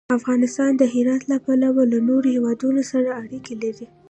افغانستان د هرات له پلوه له نورو هېوادونو سره اړیکې لري.